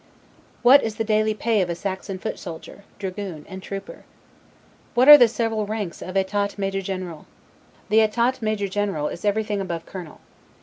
What is the daily pay of a Saxon foot soldier, dragoon, and trooper? What are the several ranks of the 'Etat Major general'? N. B. The Etat Major general is everything above colonel.